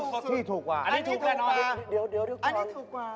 ของข้านี้น่าจะถูกกว่า